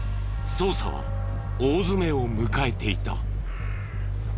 捜査は大詰めを迎えていた。